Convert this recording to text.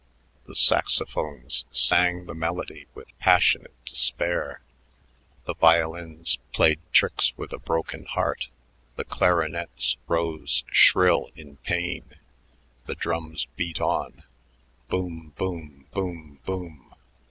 The saxophones sang the melody with passionate despair; the violins played tricks with a broken heart; the clarinets rose shrill in pain; the drums beat on boom, boom, boom, boom....